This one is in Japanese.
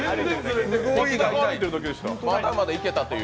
まだまだいけたという。